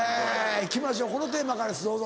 行きましょうこのテーマからですどうぞ。